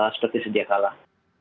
seperti sedia kalah